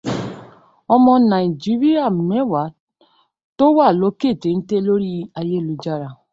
Ọmọ Nàìjíríà mẹ́wàá tó wà lókè téńté lóri ayélujára.